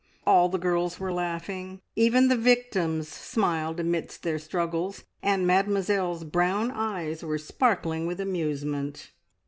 All the girls were laughing; even the victims smiled amidst their struggles, and Mademoiselle's brown eyes were sparkling with amusement.